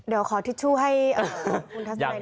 เดี๋ยวขอทิชชู่ให้คุณทัศนัย